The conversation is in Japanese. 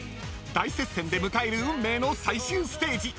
［大接戦で迎える運命の最終ステージ］